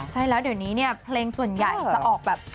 ใช่แล้วเดี๋ยวนี้เนี่ยเพลงส่วนใหญ่จะออกแบบ